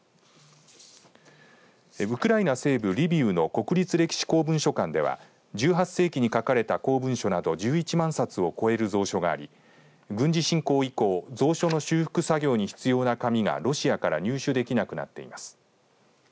ウクライナ西部リビウの国立歴史公文書館では１８世紀に書かれた公文書など１１万冊を超える蔵書があり軍事侵攻以降蔵書の修復作業に必要な紙がロシアから入手できなくなっています。